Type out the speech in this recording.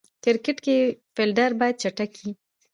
کرکټ کښي فېلډر باید چټک يي.